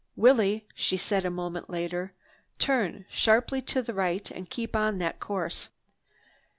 "Willie," she said a moment later, "turn sharply to the right and keep up that course."